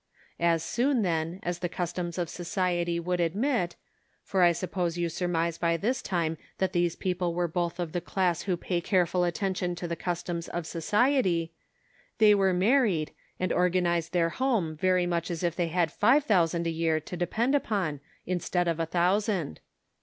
As soon, then, as the customs of society would admit — for I suppose you surmise by this time that these people were both of the class who pay careful attention to the customs of society — they were married, and organized their home very much as if they had five thou sand a year to depend upon instead of a thousand.